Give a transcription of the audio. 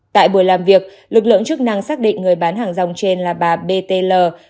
tại buổi làm việc lực lượng chức năng xác định người bán hàng rong trên là bà b t l